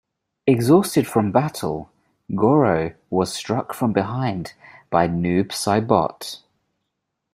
Exhausted from battle, Goro was struck from behind by Noob Saibot.